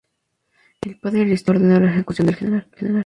El Padre Aristeo Pedroza ordenó la ejecución del Gral.